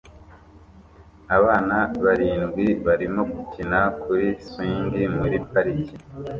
abana barindwi barimo gukina kuri swingi muri parike